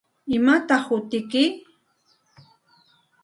¿Imataq hutiyki?